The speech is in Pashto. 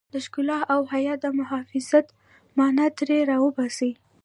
د ښکلا او حيا د محافظت مانا ترې را وباسي.